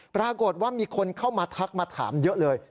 ปรากฏว่ามีคนเข้ามาทักมาถามเยอะเลย